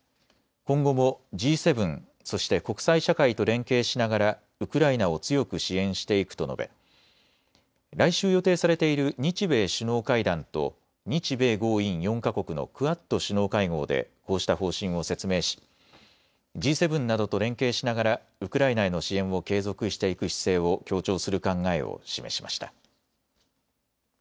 今後もＧ７、そして国際社会と連携しながらウクライナを強く支援していくと述べ来週、予定されている日米首脳会談と日米豪印４か国のクアッド首脳会合でこうした方針を説明しＧ７などと連携しながらウクライナへの支援を継続していく姿勢を強調する考えを示しました。